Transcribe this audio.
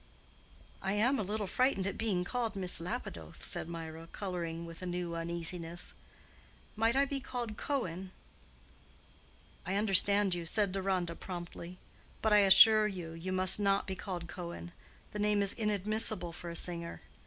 "I am a little frightened at being called Miss Lapidoth," said Mirah, coloring with a new uneasiness. "Might I be called Cohen?" "I understand you," said Deronda, promptly. "But I assure you, you must not be called Cohen. The name is inadmissible for a singer.